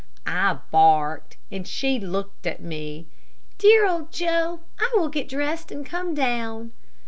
I barked, and she looked at me. "Dear old Joe, I will get dressed and come down."